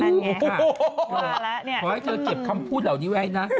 มาแล้วเนี้ยขอให้เธอเก็บคำพูดเหล่านี้ไว้นะ